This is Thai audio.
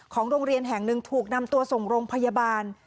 โรงเรียนแห่งหนึ่งถูกนำตัวส่งโรงพยาบาล